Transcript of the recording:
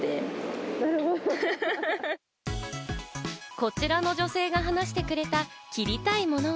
こちらの女性が話してくれた切りたいものは。